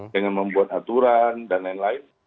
dengan membuat aturan dan lain lain